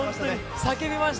叫びました。